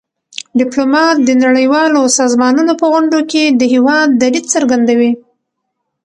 ډيپلومات د نړیوالو سازمانونو په غونډو کي د هېواد دریځ څرګندوي.